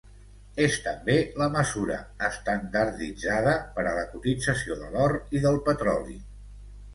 És també la mesura estandarditzada per a la cotització de l'or i del petroli.